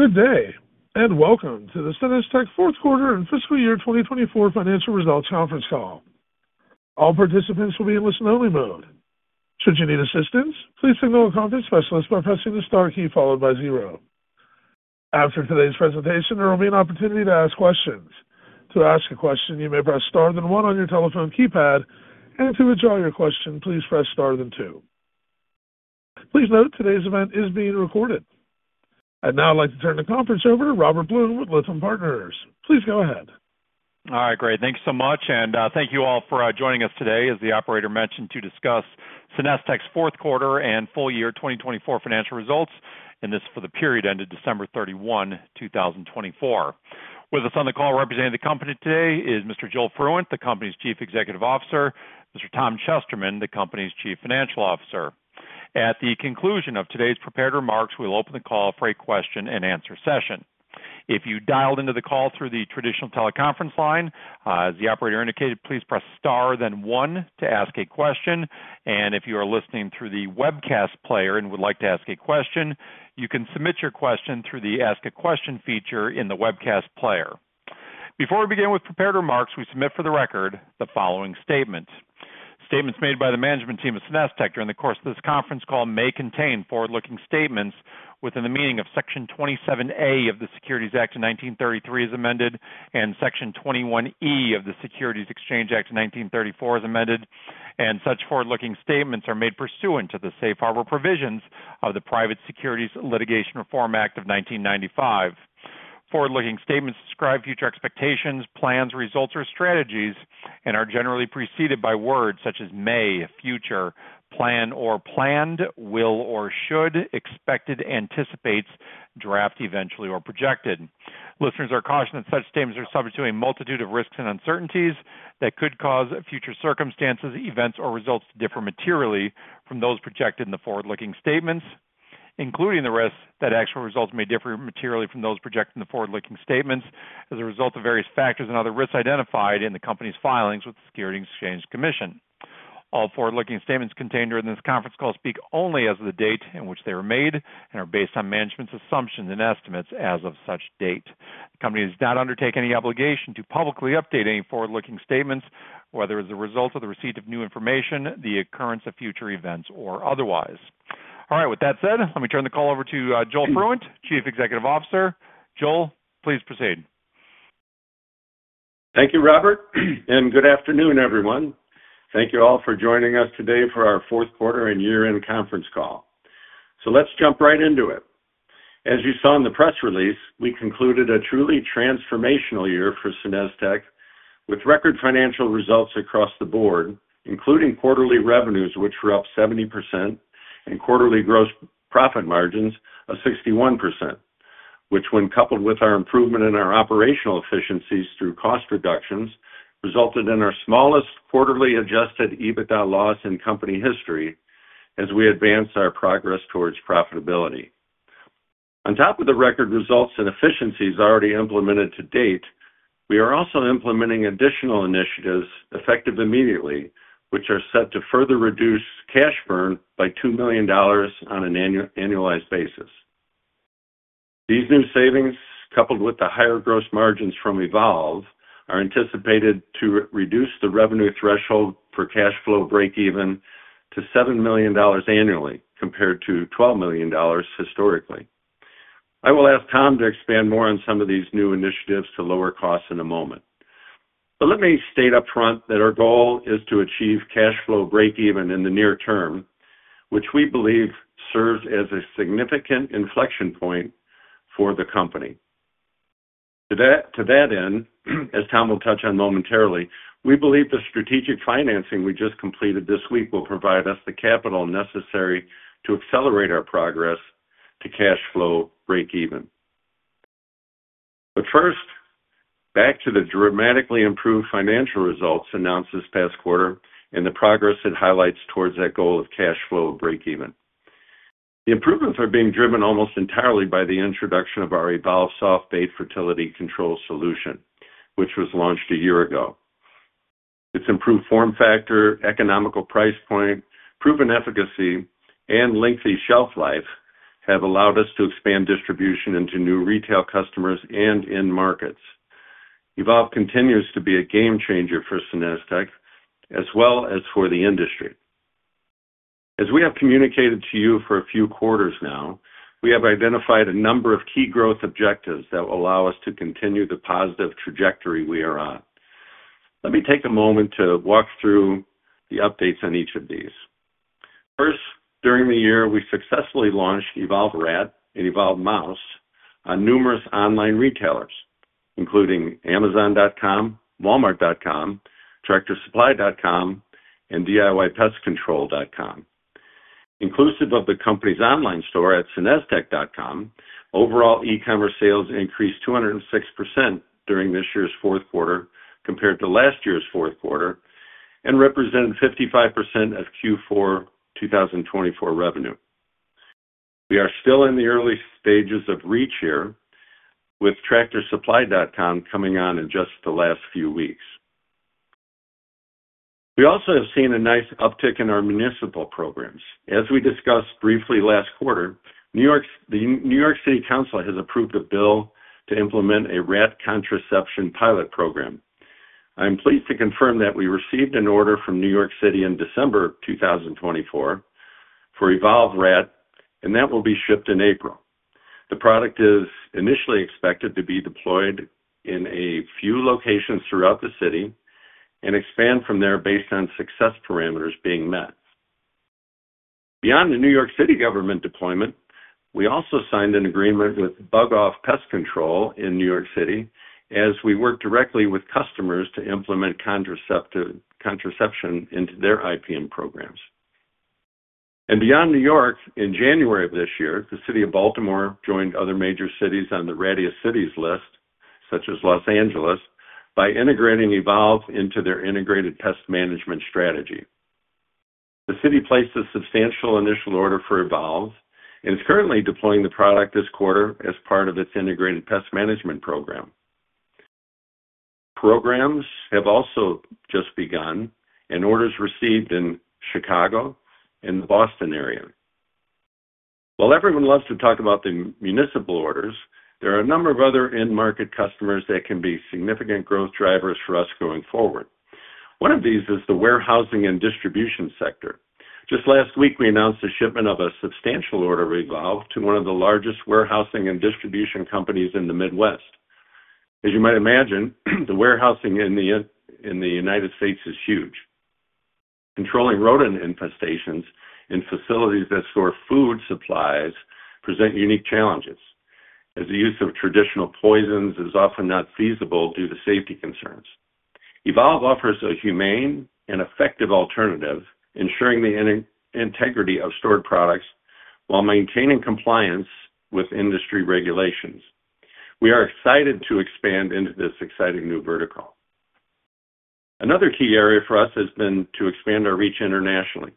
Good day, and welcome to the SenesTech Fourth Quarter and Fiscal Year 2024 Financial Results Conference Call. All participants will be in listen-only mode. Should you need assistance, please signal a conference specialist by pressing the star key followed by zero. After today's presentation, there will be an opportunity to ask questions. To ask a question, you may press star then one on your telephone keypad, and to withdraw your question, please press star then two. Please note today's event is being recorded. Now I'd like to turn the conference over to Robert Blum with Lytham Partners. Please go ahead. All right, great. Thank you so much, and thank you all for joining us today, as the operator mentioned, to discuss SenesTech's fourth quarter and full year 2024 financial results, and this for the period ended December 31, 2024. With us on the call representing the company today is Mr. Joel Fruendt, the company's Chief Executive Officer, Mr. Tom Chesterman, the company's Chief Financial Officer. At the conclusion of today's prepared remarks, we'll open the call for a question-and-answer session. If you dialed into the call through the traditional teleconference line, as the operator indicated, please press star then one to ask a question, and if you are listening through the webcast player and would like to ask a question, you can submit your question through the Ask a Question feature in the webcast player. Before we begin with prepared remarks, we submit for the record the following statements. Statements made by the management team of SenesTech during the course of this conference call may contain forward-looking statements within the meaning of Section 27A of the Securities Act of 1933 as amended, and Section 21E of the Securities Exchange Act of 1934 as amended, and such forward-looking statements are made pursuant to the safe harbor provisions of the Private Securities Litigation Reform Act of 1995. Forward-looking statements describe future expectations, plans, results, or strategies, and are generally preceded by words such as may, future, plan or planned, will or should, expected, anticipates, draft, eventually, or projected. Listeners are cautioned that such statements are subject to a multitude of risks and uncertainties that could cause future circumstances, events, or results to differ materially from those projected in the forward-looking statements, including the risk that actual results may differ materially from those projected in the forward-looking statements as a result of various factors and other risks identified in the company's filings with the Securities Exchange Commission. All forward-looking statements contained during this conference call speak only as of the date in which they were made and are based on management's assumptions and estimates as of such date. The company does not undertake any obligation to publicly update any forward-looking statements, whether as a result of the receipt of new information, the occurrence of future events, or otherwise. All right, with that said, let me turn the call over to Joel Fruendt, Chief Executive Officer. Joel, please proceed. Thank you, Robert, and good afternoon, everyone. Thank you all for joining us today for our fourth quarter and year-end conference call. Let's jump right into it. As you saw in the press release, we concluded a truly transformational year for SenesTech with record financial results across the board, including quarterly revenues, which were up 70%, and quarterly gross profit margins of 61%, which, when coupled with our improvement in our operational efficiencies through cost reductions, resulted in our smallest quarterly adjusted EBITDA loss in company history as we advance our progress towards profitability. On top of the record results and efficiencies already implemented to date, we are also implementing additional initiatives effective immediately, which are set to further reduce cash burn by $2 million on an annualized basis. These new savings, coupled with the higher gross margins from Evolve, are anticipated to reduce the revenue threshold for cash flow break-even to $7 million annually, compared to $12 million historically. I will ask Tom to expand more on some of these new initiatives to lower costs in a moment. Let me state upfront that our goal is to achieve cash flow break-even in the near term, which we believe serves as a significant inflection point for the company. To that end, as Tom will touch on momentarily, we believe the strategic financing we just completed this week will provide us the capital necessary to accelerate our progress to cash flow break-even. First, back to the dramatically improved financial results announced this past quarter and the progress it highlights towards that goal of cash flow break-even. The improvements are being driven almost entirely by the introduction of our Evolve Soft Bait Fertility Control solution, which was launched a year ago. Its improved form factor, economical price point, proven efficacy, and lengthy shelf life have allowed us to expand distribution into new retail customers and end markets. Evolve continues to be a game changer for SenesTech, as well as for the industry. As we have communicated to you for a few quarters now, we have identified a number of key growth objectives that will allow us to continue the positive trajectory we are on. Let me take a moment to walk through the updates on each of these. First, during the year, we successfully launched Evolve Rat and Evolve Mouse on numerous online retailers, including Amazon.com, Walmart.com, TractorSupply.com, and DIYPestControl.com. Inclusive of the company's online store at SenesTech.com, overall e-commerce sales increased 206% during this year's fourth quarter compared to last year's fourth quarter and represented 55% of Q4 2024 revenue. We are still in the early stages of reach here, with TractorSupply.com coming on in just the last few weeks. We also have seen a nice uptick in our municipal programs. As we discussed briefly last quarter, the New York City Council has approved a bill to implement a rat contraception pilot program. I'm pleased to confirm that we received an order from New York City in December 2024 for Evolve Rat, and that will be shipped in April. The product is initially expected to be deployed in a few locations throughout the city and expand from there based on success parameters being met. Beyond the New York City government deployment, we also signed an agreement with Bug Off Pest Control in New York City, as we work directly with customers to implement contraception into their IPM programs. Beyond New York, in January of this year, the City of Baltimore joined other major cities on the Rattiest Cities list, such as Los Angeles, by integrating Evolve into their integrated pest management strategy. The city placed a substantial initial order for Evolve and is currently deploying the product this quarter as part of its integrated pest management program. Programs have also just begun, and orders received in Chicago and the Boston area. While everyone loves to talk about the municipal orders, there are a number of other end market customers that can be significant growth drivers for us going forward. One of these is the warehousing and distribution sector. Just last week, we announced the shipment of a substantial order of Evolve to one of the largest warehousing and distribution companies in the Midwest. As you might imagine, the warehousing in the United States is huge. Controlling rodent infestations in facilities that store food supplies presents unique challenges, as the use of traditional poisons is often not feasible due to safety concerns. Evolve offers a humane and effective alternative, ensuring the integrity of stored products while maintaining compliance with industry regulations. We are excited to expand into this exciting new vertical. Another key area for us has been to expand our reach internationally.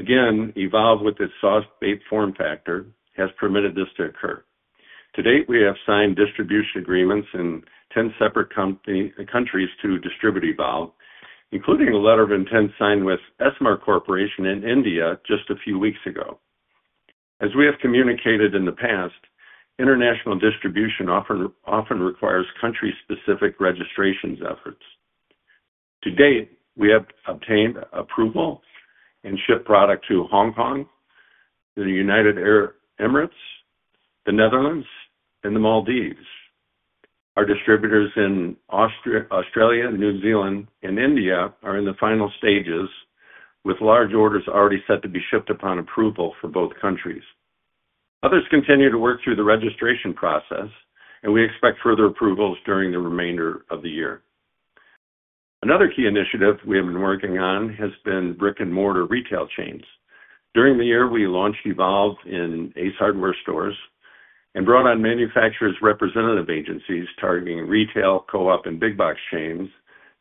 Again, Evolve, with its soft bait form factor, has permitted this to occur. To date, we have signed distribution agreements in 10 separate countries to distribute Evolve, including a letter of intent signed with SMark Corporation in India just a few weeks ago. As we have communicated in the past, international distribution often requires country-specific registrations efforts. To date, we have obtained approval and shipped product to Hong Kong, the United Arab Emirates, the Netherlands, and the Maldives. Our distributors in Australia, New Zealand, and India are in the final stages, with large orders already set to be shipped upon approval for both countries. Others continue to work through the registration process, and we expect further approvals during the remainder of the year. Another key initiative we have been working on has been brick-and-mortar retail chains. During the year, we launched Evolve in Ace Hardware stores and brought on manufacturers' representative agencies targeting retail, co-op, and big-box chains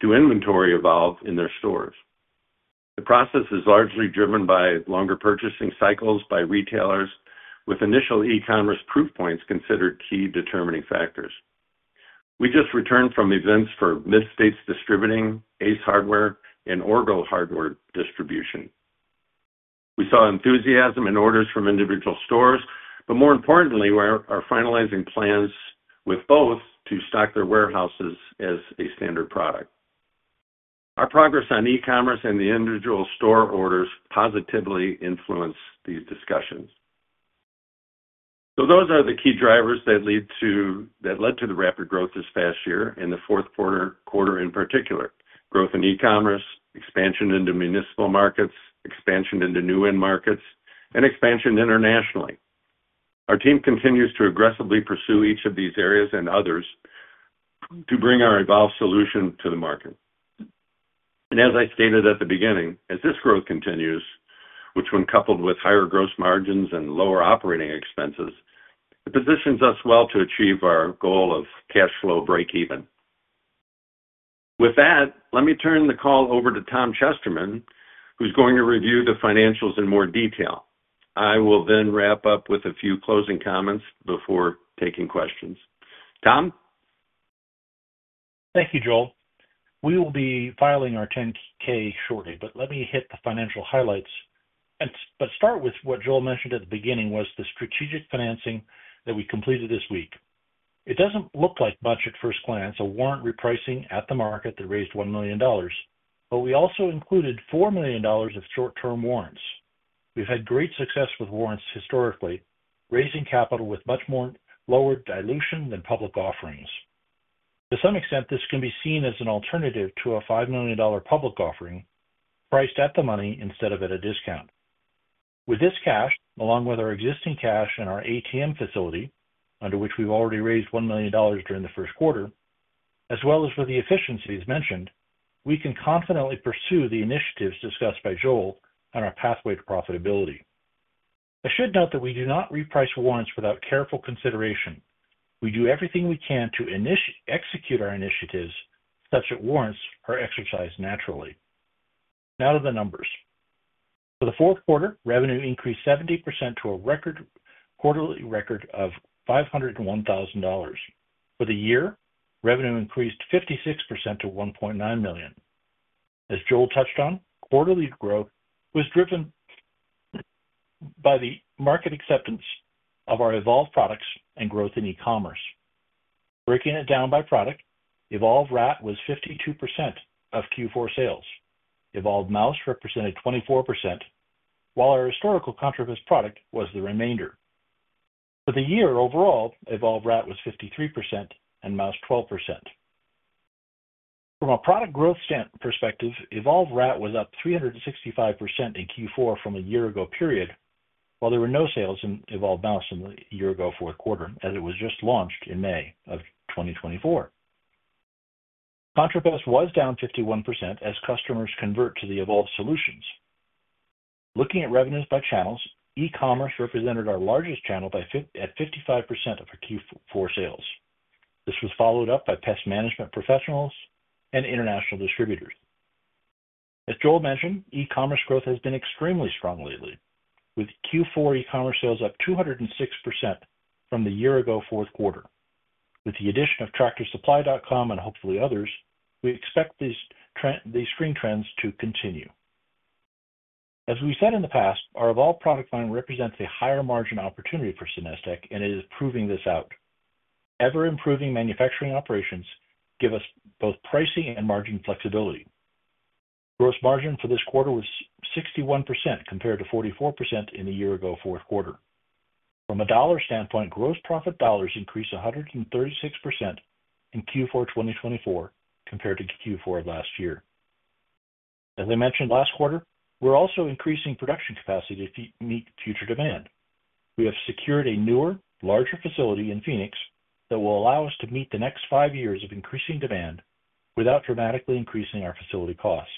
to inventory Evolve in their stores. The process is largely driven by longer purchasing cycles by retailers, with initial e-commerce proof points considered key determining factors. We just returned from events for Mid-States Distributing, Ace Hardware, and Orgill Hardware Distribution. We saw enthusiasm and orders from individual stores, but more importantly, we are finalizing plans with both to stock their warehouses as a standard product. Our progress on e-commerce and the individual store orders positively influenced these discussions. Those are the key drivers that led to the rapid growth this past year and the fourth quarter in particular: growth in e-commerce, expansion into municipal markets, expansion into new end markets, and expansion internationally. Our team continues to aggressively pursue each of these areas and others to bring our Evolve solution to the market. As I stated at the beginning, as this growth continues, which when coupled with higher gross margins and lower operating expenses, it positions us well to achieve our goal of cash flow break-even. With that, let me turn the call over to Tom Chesterman, who's going to review the financials in more detail. I will then wrap up with a few closing comments before taking questions. Tom? Thank you, Joel. We will be filing our 10-K shortly, but let me hit the financial highlights. What Joel mentioned at the beginning was the strategic financing that we completed this week. It does not look like much at first glance: a warrant repricing at the market that raised $1 million, but we also included $4 million of short-term warrants. We have had great success with warrants historically, raising capital with much more lower dilution than public offerings. To some extent, this can be seen as an alternative to a $5 million public offering priced at the money instead of at a discount. With this cash, along with our existing cash and our ATM facility, under which we have already raised $1 million during the first quarter, as well as with the efficiencies mentioned, we can confidently pursue the initiatives discussed by Joel on our pathway to profitability. I should note that we do not reprice warrants without careful consideration. We do everything we can to execute our initiatives such that warrants are exercised naturally. Now to the numbers. For the fourth quarter, revenue increased 70% to a quarterly record of $501,000. For the year, revenue increased 56% to $1.9 million. As Joel touched on, quarterly growth was driven by the market acceptance of our Evolve products and growth in e-commerce. Breaking it down by product, Evolve Rat was 52% of Q4 sales. Evolve Mouse represented 24%, while our historical ContraPest product was the remainder. For the year overall, Evolve Rat was 53% and Mouse 12%. From a product growth perspective, Evolve Rat was up 365% in Q4 from a year ago period, while there were no sales in Evolve Mouse in the year ago fourth quarter, as it was just launched in May of 2024. ContraPest was down 51% as customers convert to the Evolve solutions. Looking at revenues by channels, e-commerce represented our largest channel at 55% of our Q4 sales. This was followed up by pest management professionals and international distributors. As Joel mentioned, e-commerce growth has been extremely strong lately, with Q4 e-commerce sales up 206% from the year ago fourth quarter. With the addition of TractorSupply.com and hopefully others, we expect these strong trends to continue. As we said in the past, our Evolve product line represents a higher margin opportunity for SenesTech, and it is proving this out. Ever-improving manufacturing operations give us both pricing and margin flexibility. Gross margin for this quarter was 61% compared to 44% in the year ago fourth quarter. From a dollar standpoint, gross profit dollars increased 136% in Q4 2024 compared to Q4 last year. As I mentioned last quarter, we're also increasing production capacity to meet future demand. We have secured a newer, larger facility in Phoenix that will allow us to meet the next five years of increasing demand without dramatically increasing our facility costs.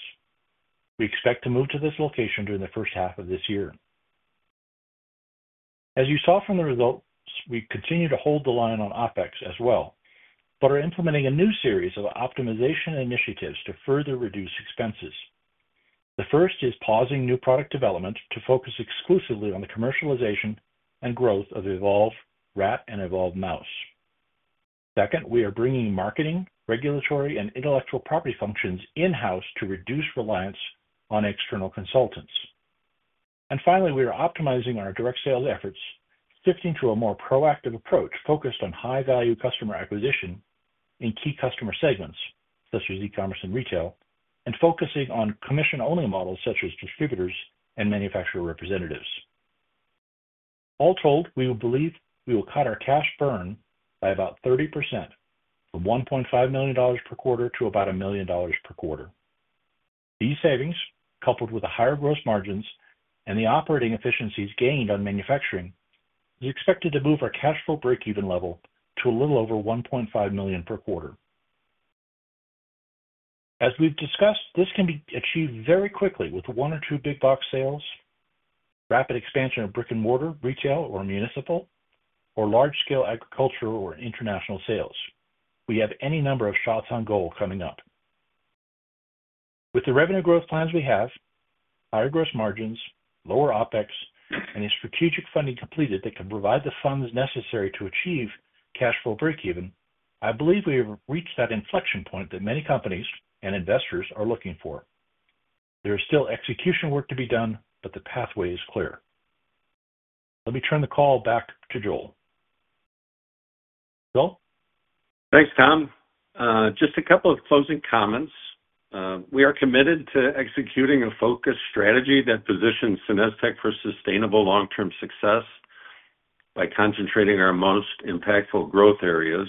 We expect to move to this location during the first half of this year. As you saw from the results, we continue to hold the line on OpEx as well, but are implementing a new series of optimization initiatives to further reduce expenses. The first is pausing new product development to focus exclusively on the commercialization and growth of Evolve Rat and Evolve Mouse. Second, we are bringing marketing, regulatory, and intellectual property functions in-house to reduce reliance on external consultants. Finally, we are optimizing our direct sales efforts, shifting to a more proactive approach focused on high-value customer acquisition in key customer segments, such as e-commerce and retail, and focusing on commission-only models such as distributors and manufacturer representatives. All told, we believe we will cut our cash burn by about 30% from $1.5 million per quarter to about $1 million per quarter. These savings, coupled with the higher gross margins and the operating efficiencies gained on manufacturing, are expected to move our cash flow break-even level to a little over $1.5 million per quarter. As we've discussed, this can be achieved very quickly with one or two big-box sales, rapid expansion of brick-and-mortar retail or municipal, or large-scale agriculture or international sales. We have any number of shots on goal coming up. With the revenue growth plans we have, higher gross margins, lower OpEx, and a strategic funding completed that can provide the funds necessary to achieve cash flow break-even, I believe we have reached that inflection point that many companies and investors are looking for. There is still execution work to be done, but the pathway is clear. Let me turn the call back to Joel. Joel? Thanks, Tom. Just a couple of closing comments. We are committed to executing a focused strategy that positions SenesTech for sustainable long-term success. By concentrating our most impactful growth areas,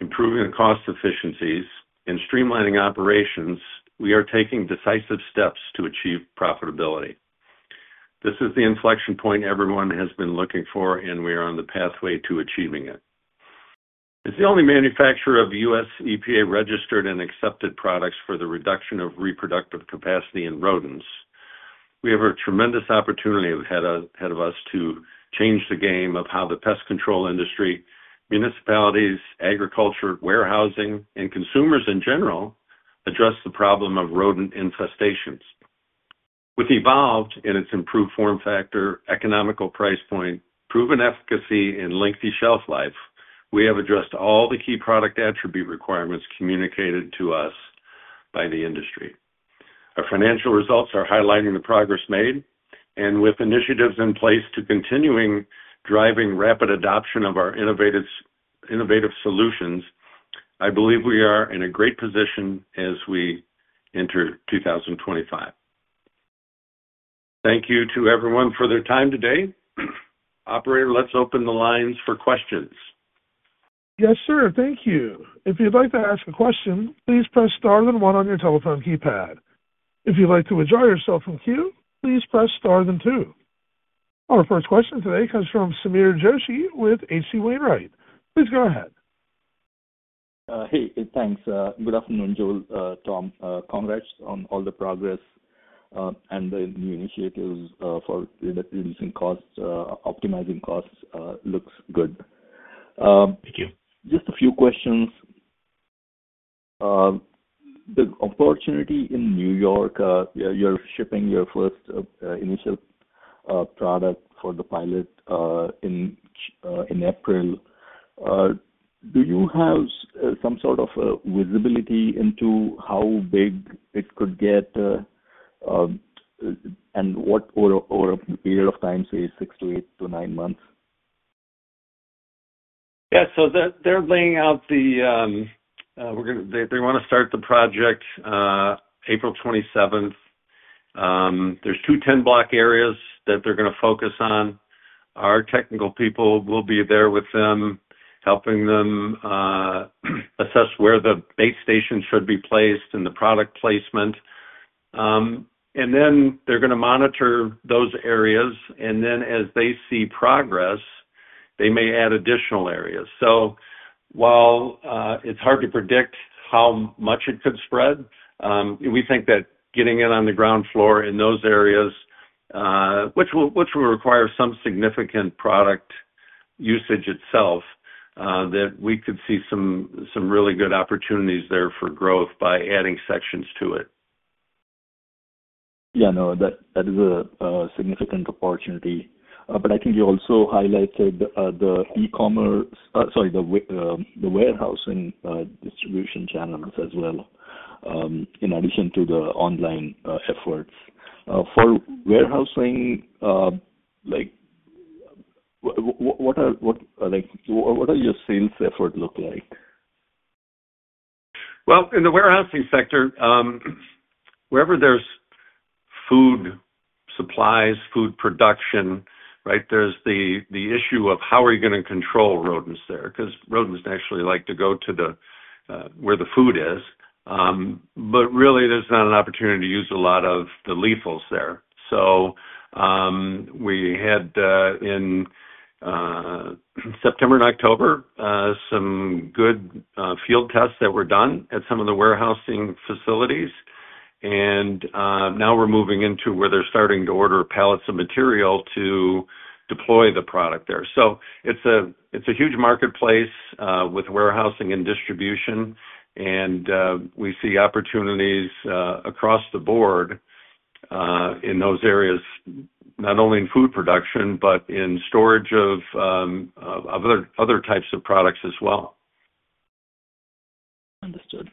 improving cost efficiencies, and streamlining operations, we are taking decisive steps to achieve profitability. This is the inflection point everyone has been looking for, and we are on the pathway to achieving it. As the only manufacturer of U.S. EPA-registered and accepted products for the reduction of reproductive capacity in rodents, we have a tremendous opportunity ahead of us to change the game of how the pest control industry, municipalities, agriculture, warehousing, and consumers in general address the problem of rodent infestations. With Evolve and its improved form factor, economical price point, proven efficacy, and lengthy shelf life, we have addressed all the key product attribute requirements communicated to us by the industry. Our financial results are highlighting the progress made, and with initiatives in place to continue driving rapid adoption of our innovative solutions, I believe we are in a great position as we enter 2025. Thank you to everyone for their time today. Operator, let's open the lines for questions. Yes, sir. Thank you. If you'd like to ask a question, please press star then one on your telephone keypad. If you'd like to withdraw yourself from queue, please press star then two. Our first question today comes from Sameer Joshi with H.C. Wainwright. Please go ahead. Hey, thanks. Good afternoon, Joel, Tom. Congrats on all the progress and the new initiatives for reducing costs, optimizing costs. Looks good. Thank you. Just a few questions. The opportunity in New York, you're shipping your first initial product for the pilot in April. Do you have some sort of visibility into how big it could get and what period of time, say, six to eight to nine months? Yeah. They are laying out the—they want to start the project April 27th. There are two 10-block areas that they are going to focus on. Our technical people will be there with them, helping them assess where the bait station should be placed and the product placement. They are going to monitor those areas, and as they see progress, they may add additional areas. While it is hard to predict how much it could spread, we think that getting in on the ground floor in those areas, which will require some significant product usage itself, we could see some really good opportunities there for growth by adding sections to it. Yeah, no, that is a significant opportunity. I think you also highlighted the e-commerce, sorry, the warehousing distribution channels as well, in addition to the online efforts. For warehousing, what does your sales effort look like? In the warehousing sector, wherever there's food supplies, food production, right, there's the issue of how are you going to control rodents there? Because rodents actually like to go to where the food is. Really, there's not an opportunity to use a lot of the lethals there. We had, in September and October, some good field tests that were done at some of the warehousing facilities, and now we're moving into where they're starting to order pallets of material to deploy the product there. It's a huge marketplace with warehousing and distribution, and we see opportunities across the board in those areas, not only in food production, but in storage of other types of products as well. Understood.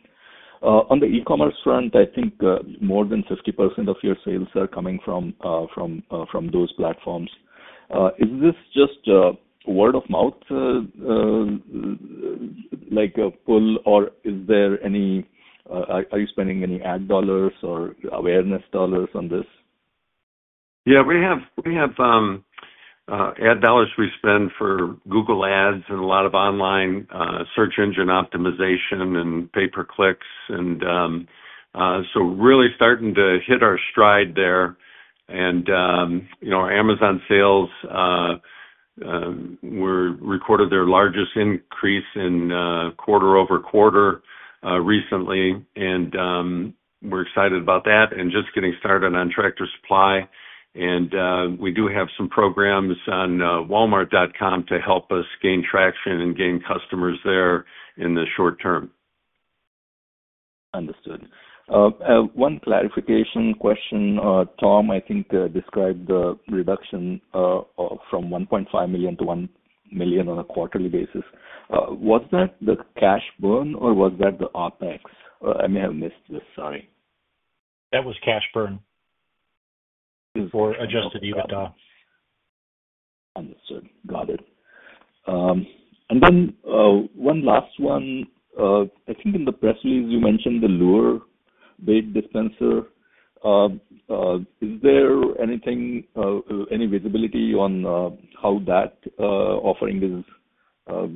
On the e-commerce front, I think more than 50% of your sales are coming from those platforms. Is this just word of mouth, like a pull, or is there any—are you spending any ad dollars or awareness dollars on this? Yeah, we have ad dollars we spend for Google Ads and a lot of online search engine optimization and pay-per-clicks. Really starting to hit our stride there. Our Amazon sales, we recorded their largest increase in quarter over quarter recently, and we're excited about that and just getting started on Tractor Supply. We do have some programs on Walmart.com to help us gain traction and gain customers there in the short term. Understood. One clarification question, Tom. I think you described the reduction from $1.5 million to $1 million on a quarterly basis. Was that the cash burn or was that the OpEx? I may have missed this. Sorry. That was cash burn for adjusted EBITDA. Understood. Got it. One last one. I think in the press release, you mentioned the Lure Bait Dispenser. Is there any visibility on how that offering is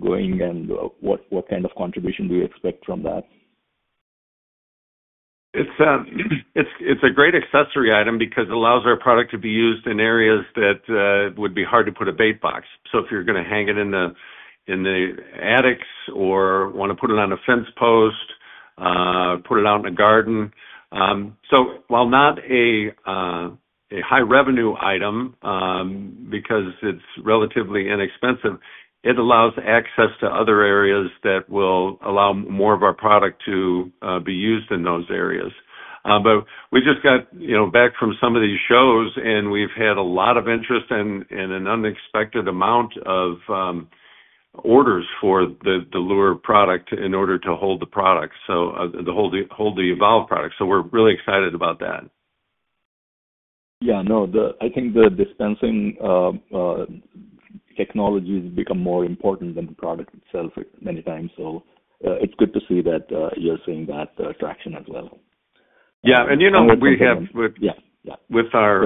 going and what kind of contribution do you expect from that? It's a great accessory item because it allows our product to be used in areas that would be hard to put a bait box. If you're going to hang it in the attics or want to put it on a fence post, put it out in a garden. While not a high-revenue item because it's relatively inexpensive, it allows access to other areas that will allow more of our product to be used in those areas. We just got back from some of these shows, and we've had a lot of interest and an unexpected amount of orders for the Lure Bait Dispenser in order to hold the product, so hold the Evolve product. We're really excited about that. Yeah. No, I think the dispensing technology has become more important than the product itself many times. So it's good to see that you're seeing that traction as well. Yeah. You know what we have with our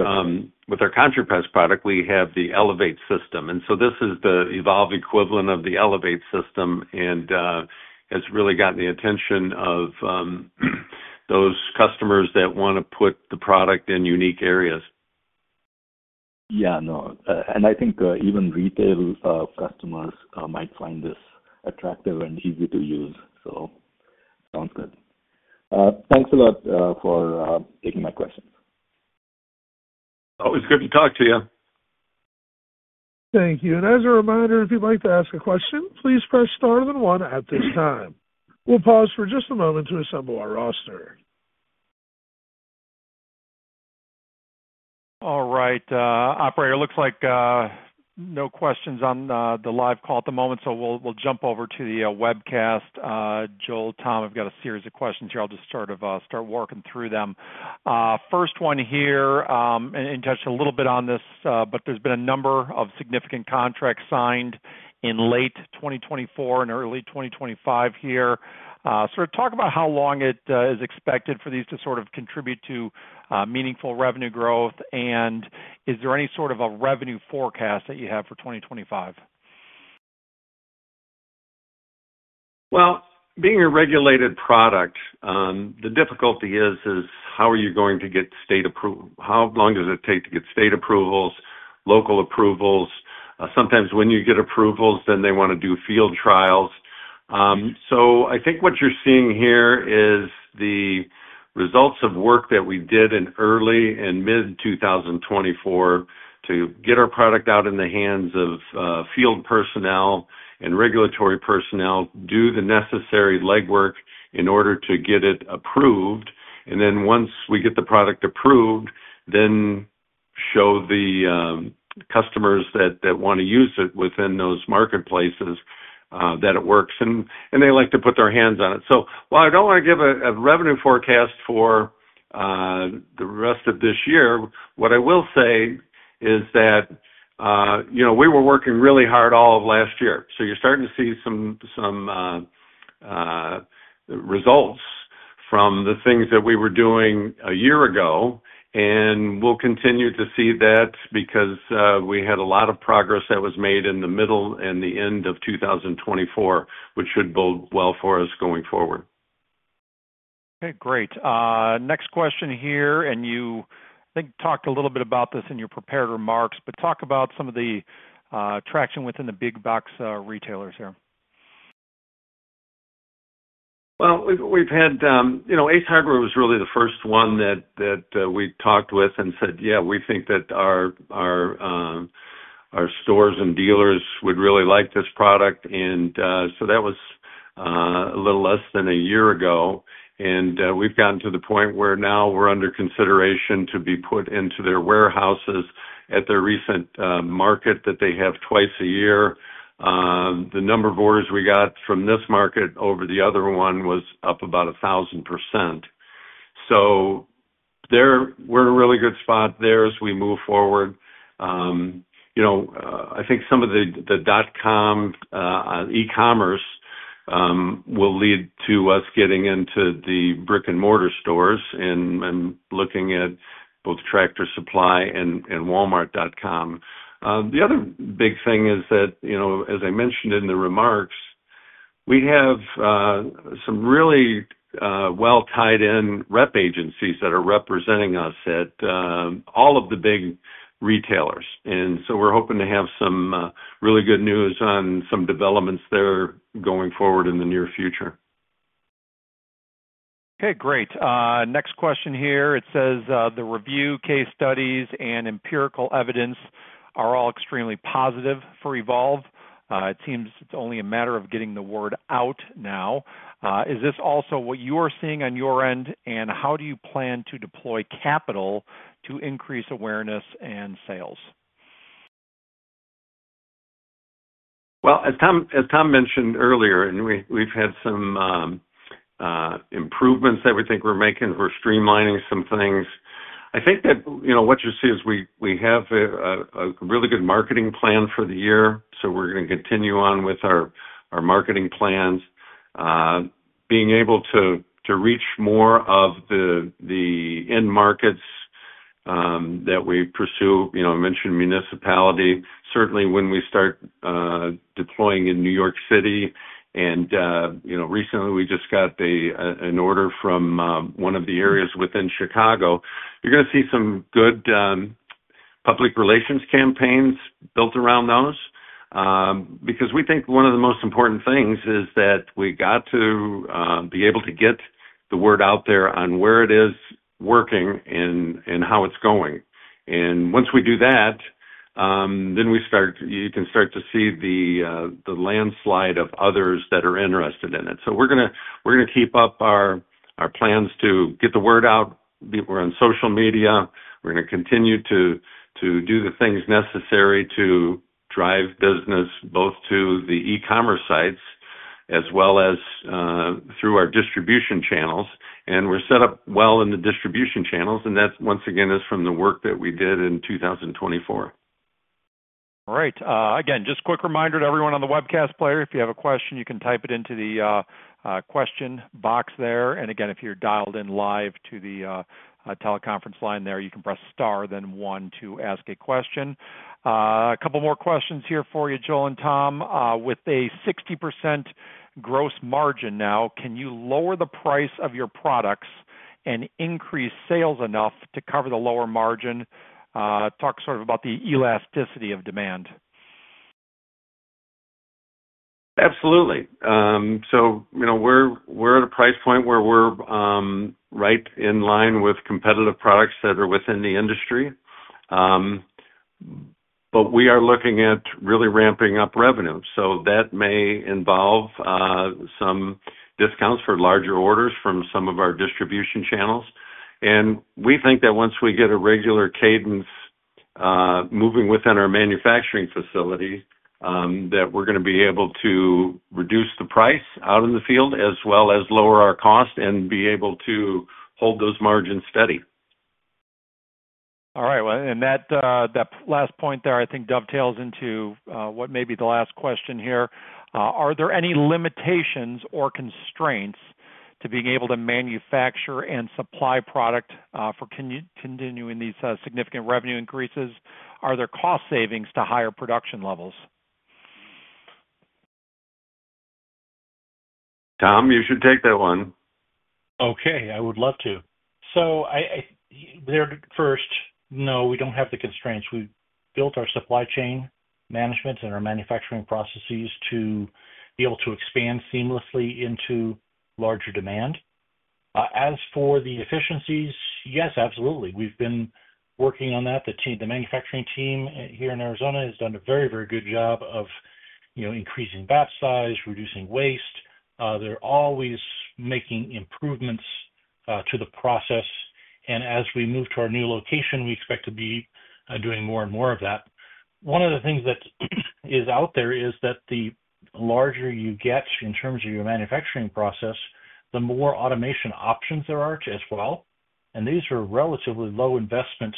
ContraPest product, we have the Elevate system. This is the Evolve equivalent of the Elevate system, and it's really gotten the attention of those customers that want to put the product in unique areas. Yeah. No, I think even retail customers might find this attractive and easy to use. Sounds good. Thanks a lot for taking my questions. Always good to talk to you. Thank you. As a reminder, if you'd like to ask a question, please press star then one at this time. We'll pause for just a moment to assemble our roster. All right. Operator, looks like no questions on the live call at the moment, so we'll jump over to the webcast. Joel, Tom, I've got a series of questions here. I'll just sort of start walking through them. First one here, and touched a little bit on this, but there's been a number of significant contracts signed in late 2024 and early 2025 here. Sort of talk about how long it is expected for these to sort of contribute to meaningful revenue growth, and is there any sort of a revenue forecast that you have for 2025? Being a regulated product, the difficulty is, is how are you going to get state approval? How long does it take to get state approvals, local approvals? Sometimes when you get approvals, they want to do field trials. I think what you're seeing here is the results of work that we did in early and mid-2024 to get our product out in the hands of field personnel and regulatory personnel, do the necessary legwork in order to get it approved. Once we get the product approved, we show the customers that want to use it within those marketplaces that it works, and they like to put their hands on it. While I don't want to give a revenue forecast for the rest of this year, what I will say is that we were working really hard all of last year. You're starting to see some results from the things that we were doing a year ago, and we'll continue to see that because we had a lot of progress that was made in the middle and the end of 2024, which should bode well for us going forward. Okay. Great. Next question here, and you talked a little bit about this in your prepared remarks, but talk about some of the traction within the big-box retailers here. Ace Hardware was really the first one that we talked with and said, "Yeah, we think that our stores and dealers would really like this product." That was a little less than a year ago. We've gotten to the point where now we're under consideration to be put into their warehouses at their recent market that they have twice a year. The number of orders we got from this market over the other one was up about 1,000%. We're in a really good spot there as we move forward. I think some of the dot-com e-commerce will lead to us getting into the brick-and-mortar stores and looking at both Tractor Supply and Walmart.com. The other big thing is that, as I mentioned in the remarks, we have some really well-tied-in rep agencies that are representing us at all of the big retailers. We're hoping to have some really good news on some developments there going forward in the near future. Okay. Great. Next question here. It says the review case studies and empirical evidence are all extremely positive for Evolve. It seems it's only a matter of getting the word out now. Is this also what you are seeing on your end, and how do you plan to deploy capital to increase awareness and sales? As Tom mentioned earlier, we've had some improvements that we think we're making. We're streamlining some things. I think that what you see is we have a really good marketing plan for the year, so we're going to continue on with our marketing plans, being able to reach more of the end markets that we pursue. I mentioned municipality. Certainly, when we start deploying in New York City, and recently we just got an order from one of the areas within Chicago, you're going to see some good public relations campaigns built around those. We think one of the most important things is that we got to be able to get the word out there on where it is working and how it's going. Once we do that, you can start to see the landslide of others that are interested in it. We're going to keep up our plans to get the word out. We're on social media. We're going to continue to do the things necessary to drive business both to the e-commerce sites as well as through our distribution channels. We're set up well in the distribution channels, and that, once again, is from the work that we did in 2024. All right. Again, just a quick reminder to everyone on the webcast player. If you have a question, you can type it into the question box there. If you're dialed in live to the teleconference line there, you can press star, then one, to ask a question. A couple more questions here for you, Joel and Tom. With a 60% gross margin now, can you lower the price of your products and increase sales enough to cover the lower margin? Talk sort of about the elasticity of demand. Absolutely. We are at a price point where we are right in line with competitive products that are within the industry. We are looking at really ramping up revenue. That may involve some discounts for larger orders from some of our distribution channels. We think that once we get a regular cadence moving within our manufacturing facility, we are going to be able to reduce the price out in the field as well as lower our cost and be able to hold those margins steady. All right. That last point there, I think dovetails into what may be the last question here. Are there any limitations or constraints to being able to manufacture and supply product for continuing these significant revenue increases? Are there cost savings to higher production levels? Tom, you should take that one. Okay. I would love to. First, no, we don't have the constraints. We've built our supply chain management and our manufacturing processes to be able to expand seamlessly into larger demand. As for the efficiencies, yes, absolutely. We've been working on that. The manufacturing team here in Arizona has done a very, very good job of increasing batch size, reducing waste. They're always making improvements to the process. As we move to our new location, we expect to be doing more and more of that. One of the things that is out there is that the larger you get in terms of your manufacturing process, the more automation options there are as well. These are relatively low-investment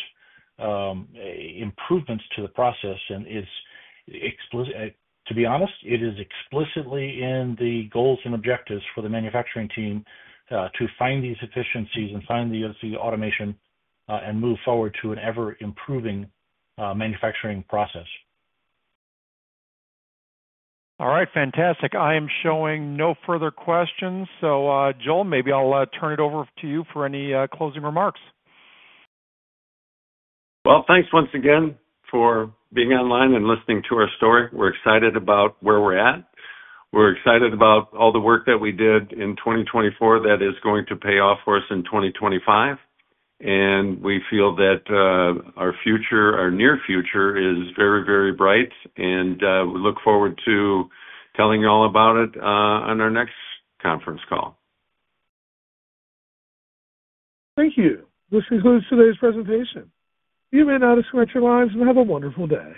improvements to the process. To be honest, it is explicitly in the goals and objectives for the manufacturing team to find these efficiencies and find the automation and move forward to an ever-improving manufacturing process. All right. Fantastic. I am showing no further questions. Joel, maybe I'll turn it over to you for any closing remarks. Thanks once again for being online and listening to our story. We're excited about where we're at. We're excited about all the work that we did in 2024 that is going to pay off for us in 2025. We feel that our near future is very, very bright, and we look forward to telling you all about it on our next conference call. Thank you. This concludes today's presentation. You may now disconnect your lines and have a wonderful day.